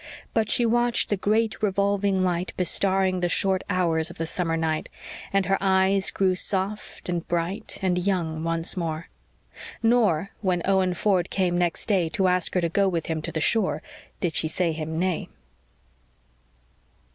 But she watched the great revolving light bestarring the short hours of the summer night, and her eyes grew soft and bright and young once more. Nor, when Owen Ford came next day, to ask her to go with him to the shore, did she say him nay.